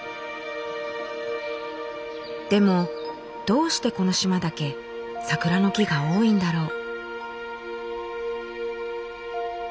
でもどうしてこの島だけ桜の木が多いんだろう。